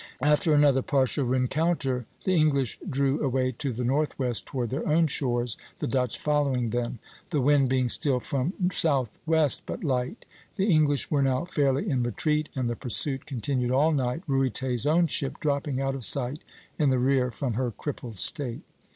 After another partial rencounter the English drew away to the northwest toward their own shores, the Dutch following them; the wind being still from southwest, but light. The English were now fairly in retreat, and the pursuit continued all night, Ruyter's own ship dropping out of sight in the rear from her crippled state.